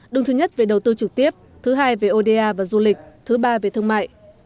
đứng thứ nhất về đầu tư trực tiếp thứ hai về oda và du lịch thứ ba về thương mại